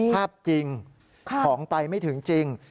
ภาพจริงของไปไม่ถึงจริง